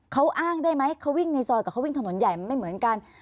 เขาอ้างได้ไหมเขาวิ่งในซอยกับเขาวิ่งถนนใหญ่มันไม่เหมือนกัน